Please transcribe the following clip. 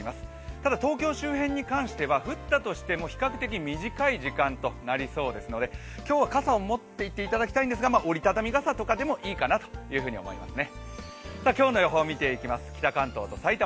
ただ東京周辺に関しては降ったとしても比較的短い時間となりそうですので今日は傘を持っていっていただきたいんですが、折り畳み傘とかでもいいかなと思いますね。